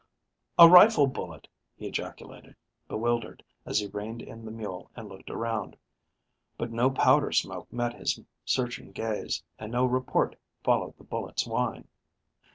"A rifle bullet," he ejaculated, bewildered, as he reined in the mule and looked around. But no powder smoke met his searching gaze, and no report followed the bullet's whine.